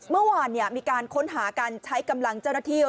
เมื่อวานมีการค้นหาการใช้กำลังเจ้าหน้าที่